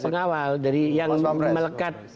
pengawal dari yang melekat